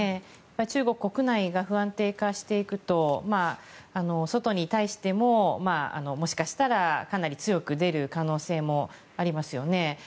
中国国内が不安定化していくと外に対してももしかしたらかなり強く出る可能性もありますよね。